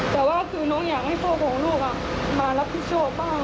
แต่ว่าคือน้องอยากให้พ่อของลูกมารับผิดชอบบ้าง